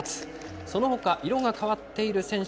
その他色が変わっている選手